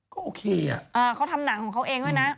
ก็โอเคเขาทำหนังของเขาเองด้วยนะ